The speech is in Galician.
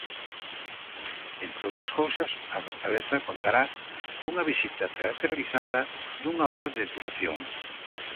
Entre outras cousas, a fortaleza contará cunha visita teatralizada dunha hora de duración.